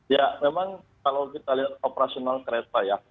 ya memang kalau kita lihat operasional kereta ya